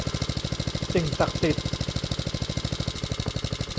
สิ่งศักดิ์สิทธิ์